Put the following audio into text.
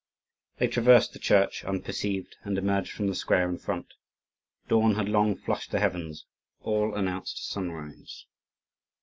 They traversed the church unperceived, and emerged upon the square in front. Dawn had long flushed the heavens; all announced sunrise.